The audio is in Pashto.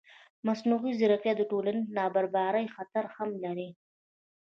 مصنوعي ځیرکتیا د ټولنیز نابرابرۍ خطر هم لري.